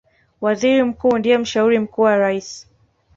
Waziri Mkuu ndiye mshauri mkuu wa Raisi